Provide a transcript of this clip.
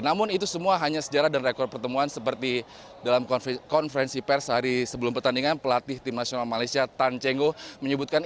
namun itu semua hanya sejarah dan rekor pertemuan seperti dalam konferensi pers hari sebelum pertandingan pelatih tim nasional malaysia tan chengo menyebutkan